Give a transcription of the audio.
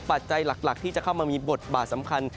ปัจจัยหลักที่จะเข้ามามีบทบาทสำคัญ